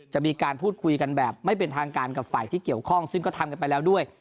จะมีการพูดคุยกันแบบไม่เป็นทางการกับฝ่ายที่เกี่ยวข้องซึ่งก็ทำกันไปแล้วด้วย